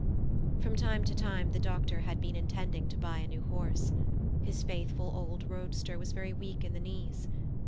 For some time the doctor had been intending to buy a new horse; his faithful old roadster was very weak in the knees.